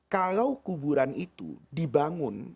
kalau kuburan itu dibangun